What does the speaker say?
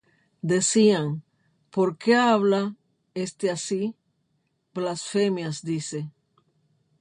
Decían: ¿Por qué habla éste así? Blasfemias dice.